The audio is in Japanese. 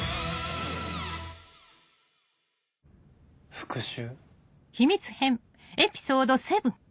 復讐？